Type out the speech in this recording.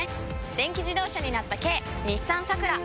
電気自動車になった軽日産サクラ！